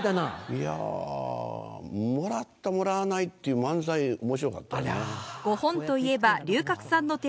いや「もらったもらわない」っていう漫才面白かったよね。